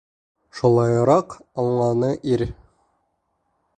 Шулайыраҡ аңланы ир.